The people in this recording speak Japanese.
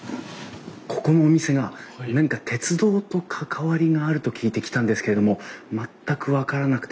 ここのお店が何か鉄道と関わりがあると聞いて来たんですけれども全く分からなくてですね